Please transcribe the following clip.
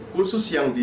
khusus yang berbeda